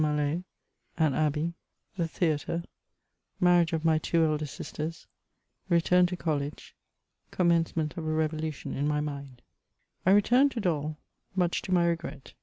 MALO— AN ABBEY — THE THEATRE — MARRIAGE OF MT TWO ELDER SISTERS — RETURN TO COLLEGE — COMMENCEMENT OF A RI^VOLVTION IN MY MIND. I RETURNED to Dol, much to my regret.